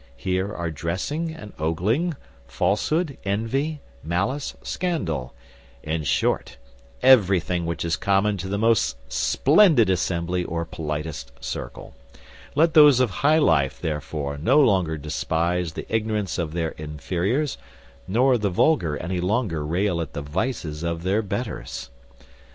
Here are dressing and ogling, falsehood, envy, malice, scandal; in short, everything which is common to the most splendid assembly, or politest circle. Let those of high life, therefore, no longer despise the ignorance of their inferiors; nor the vulgar any longer rail at the vices of their betters.